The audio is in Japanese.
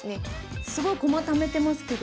すごい駒ためてますけど。